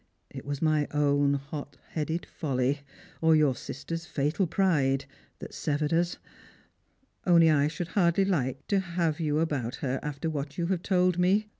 It was my own hot headed folly, or your sister'* fatal pride, that severed us. Only I should hardly like to ^ about her after what you have told me.